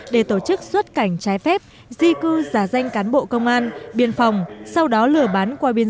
để tổ chức xuất cảnh trái phép di cư giả danh cán bộ công an biên phòng sau đó lừa bán qua biên